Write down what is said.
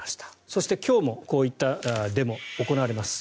そして、今日もこういったデモ行われます。